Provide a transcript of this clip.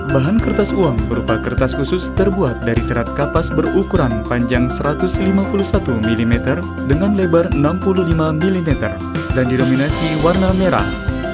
bahan kertas uang berupa kertas khusus terbuat dari serat kapas berukuran panjang satu ratus lima puluh satu mm dengan lebar enam puluh lima mm dan didominasi warna merah